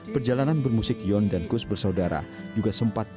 perjalanan bermusik yon dan kus bersaudara juga sempat terjadi